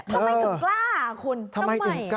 ทำไมถึงกล้าคุณทำไม